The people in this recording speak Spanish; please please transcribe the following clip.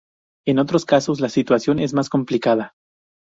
En otros casos la situación es más complicada.